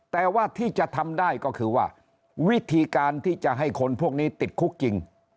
แต่ว่าที่จะทำได้ก็คือว่าวิธีการที่จะให้คนพวกนี้ติดคุกจริง